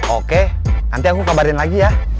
oke nanti aku kabarin lagi ya